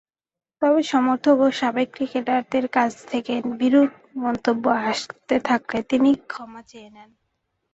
তবে, সমর্থক ও সাবেক ক্রিকেটারদের কাছ থেকে বিরূপ মন্তব্য আসতে থাকলে তিনি ক্ষমা চেয়ে নেন।